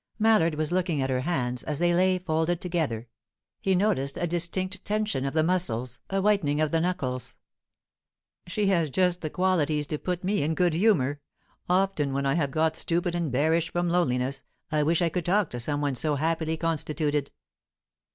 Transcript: Mallard was looking at her hands, as they lay folded together; he noticed a distinct tension of the muscles, a whitening of the knuckles. "She has just the qualities to put me in good humour. Often when I have got stupid and bearish from loneliness, I wish I could talk to some one so happily constituted."